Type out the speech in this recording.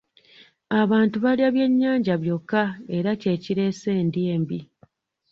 Abantu balya byennyanja byokka era ky'ekireese endya embi.